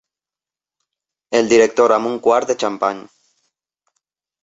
El director amb un quart de xampany.